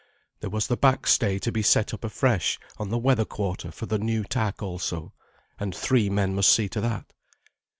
There was the back stay to be set up afresh on the weather quarter for the new tack also, and three men must see to that.